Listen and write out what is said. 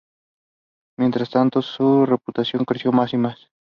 Mientras tanto, su reputación creció más y más.